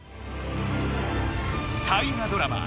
大河ドラマ